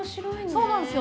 そうなんですよ。